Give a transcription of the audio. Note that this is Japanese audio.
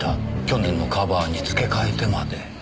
去年のカバーにつけ替えてまで。